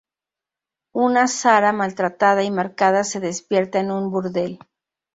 Una Sarah maltratada y marcada se despierta en un burdel.